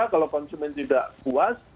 kalau konsumen tidak puas